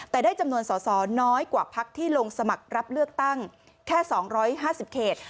แต่ได้จำนวนสอสอน้อยกว่าพักที่ลงสมัครรับเลือกตั้งแค่๒๕๐เขต